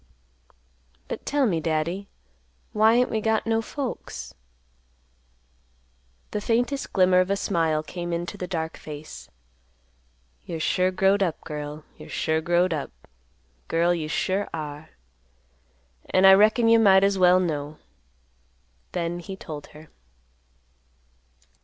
"But tell me, Daddy, why ain't we got no folks?" The faintest glimmer of a smile came into the dark face; "You're sure growed up, girl; you're sure growed up, girl; you sure are. An' I reckon you might as well know." Then he told her.